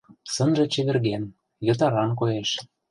Сынже чеверген, йытыран коеш.